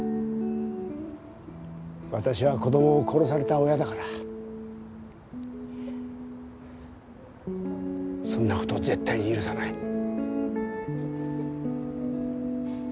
私は子供を殺された親だからそんな事絶対に許さない。